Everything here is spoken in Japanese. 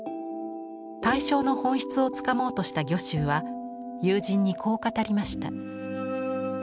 対象の本質をつかもうとした御舟は友人にこう語りました。